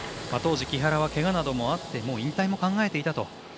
当時、木原はけがなどもあって引退も考えていたと。